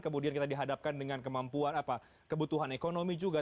kemudian kita dihadapkan dengan kemampuan kebutuhan ekonomi juga